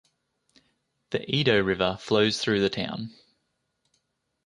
The Edo River flows through the town.